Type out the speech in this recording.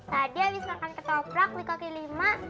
tadi abis makan ketoprak klik kaki lima